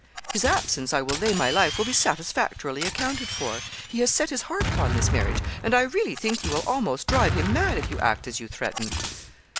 His absence, I will lay my life, will be satisfactorily accounted for; he has set his heart upon this marriage, and I really think you will almost drive him mad if you act as you threaten.'